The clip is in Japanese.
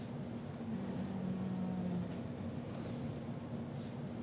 うん。